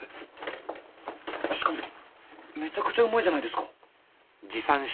しかもめちゃくちゃうまいじゃないですか。